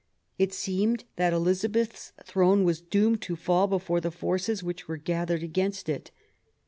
It seemed that Elizabeth's throne was doomed to fall before the forces which were gathering against it.